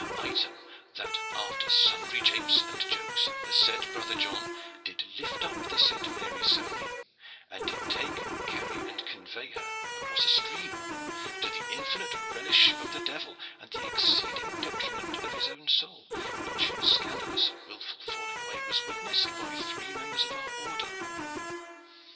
Item, that after sundry japes and jokes the said brother John did lift up the said Mary Sowley and did take, carry, and convey her across a stream, to the infinite relish of the devil and the exceeding detriment of his own soul, which scandalous and wilful falling away was witnessed by three members of our order."